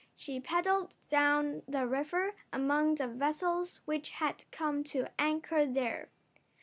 She paddled down the river among the vessels which had come to anchor there.